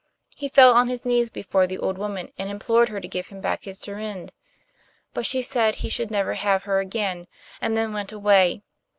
He fell on his knees before the old woman and implored her to give him back his Jorinde, but she said he should never have her again, and then went away.